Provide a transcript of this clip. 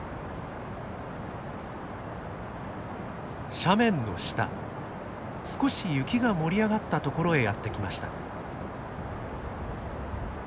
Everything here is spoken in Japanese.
斜面の下少し雪が盛り上がったところへやって来ました。